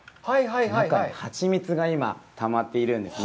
中にハチミツが今、たまっているんですね。